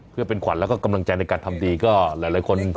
เพื่อเป็นขวัญแล้วก็กำลังใจในการทำดีก็หลายคน